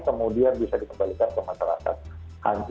kemudian bisa dikembalikan ke masyarakat